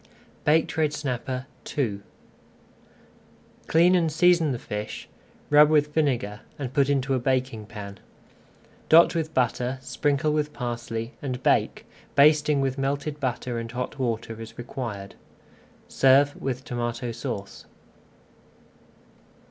BAKED RED SNAPPER II Clean and season the fish, rub with vinegar, and put into a baking pan. Dot with butter, sprinkle with parsley, and bake, basting with melted butter and hot water as required. Serve with Tomato Sauce.